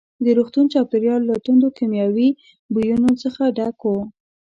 د روغتون چاپېریال له توندو کیمیاوي بویانو څخه ډک وو.